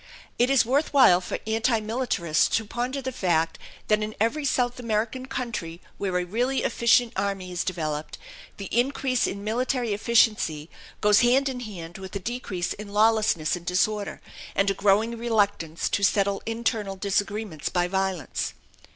It is worth while for anti militarists to ponder the fact that in every South American country where a really efficient army is developed, the increase in military efficiency goes hand in hand with a decrease in lawlessness and disorder, and a growing reluctance to settle internal disagreements by violence.